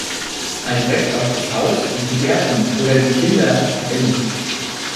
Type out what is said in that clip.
Ein Recht auf das Haus und die Gärten oder die Kinder hat er nicht.